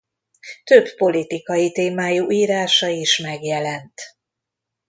Több politikai témájú írása is megjelent.